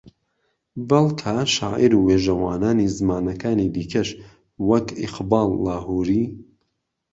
بەڵکە شاعیر و وێژەوانانی زمانەکانی دیکەش وەک ئیقباڵ لاھووری